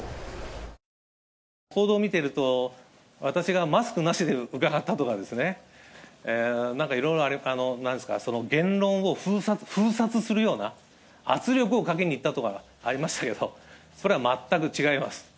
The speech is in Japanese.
報道見てると、私がマスクなしで伺ったとかですね、なんかいろいろ言論を封殺するような圧力をかけにいったとかありましたけど、それは全く違います。